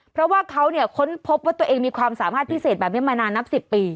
เพราะว่าเขาเนี่ยค้นพบว่าตัวเองมีความสามารถพิเศษแบบนี้มานานนับ๑๐ปี